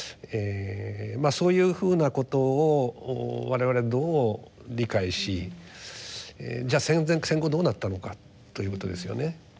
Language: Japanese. まあそういうふうなことを我々どう理解しじゃあ戦前戦後どうなったのかということですよね。